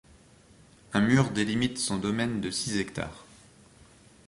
Un mur délimite son domaine de six hectares.